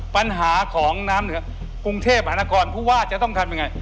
ปัญหาของพลุงเทพฯอนาคอนผู้ว่าจะต้องทำยังไง